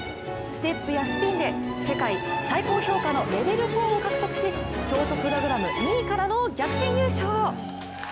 ステップやスピンで、世界最高評価のレベル４を獲得しショートプログラム２位からの逆転優勝。